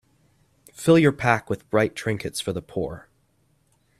Fill your pack with bright trinkets for the poor.